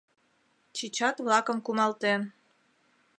Чичат-влакым кумалтен..